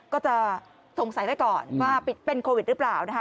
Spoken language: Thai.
ก็จะสงสัยไว้ก่อนว่าเป็นโควิดหรือเปล่านะคะ